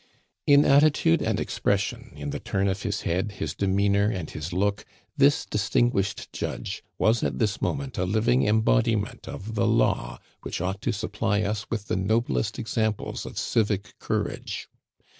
In attitude and expression, in the turn of his head, his demeanor and his look, this distinguished judge was at this moment a living embodiment of the law which ought to supply us with the noblest examples of civic courage.